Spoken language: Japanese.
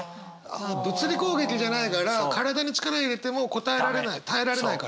あ物理攻撃じゃないから体に力を入れてもこたえられない耐えられないから。